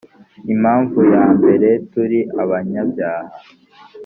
impamvu yambere turi abanyabyaha .